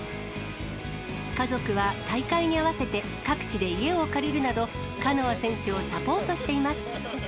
家族は大会に合わせて各地で家を借りるなど、カノア選手をサポートしています。